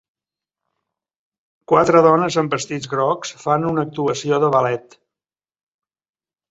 Quatre dones amb vestits grocs fan una actuació de ballet.